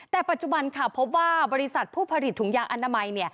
แต่ปัจจุบันค่ะพบว่าบริษัทผู้ผลิตถุงยางอนามัย